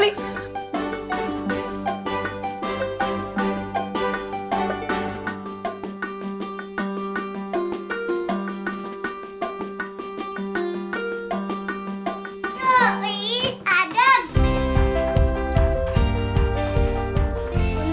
aduh ini adam